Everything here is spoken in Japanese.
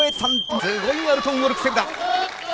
すごい！アルトゥンオルク・セブダ。